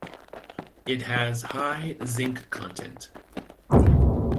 It has high zinc content.